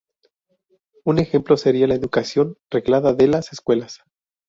Un ejemplo sería la educación reglada de las escuelas.